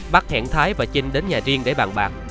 bắc hẹn thái và trinh đến nhà riêng để bàn bạc